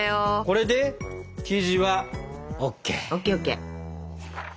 これで生地はＯＫ！